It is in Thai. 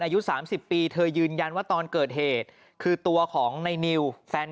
อายุ๓๐ปีเธอยืนยันว่าตอนเกิดเหตุคือตัวของในนิวแฟน